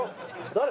誰？